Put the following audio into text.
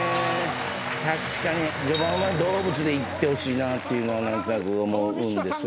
確かに序盤は動物でいってほしいなっていうのは思うんです。